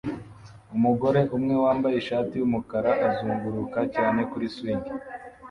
Umugore umwe wambaye ishati yumukara azunguruka cyane kuri swing